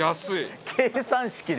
計算式で。